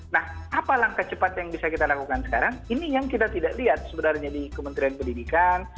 nah apa langkah cepat yang bisa kita lakukan sekarang ini yang kita tidak lihat sebenarnya di kementerian pendidikan